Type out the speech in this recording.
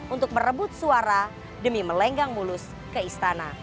untuk merebut suara demi melenggang mulus ke istana